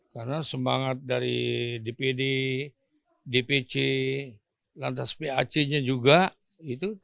karena semangat dari dpd dpc lantas pac nya juga itu tadi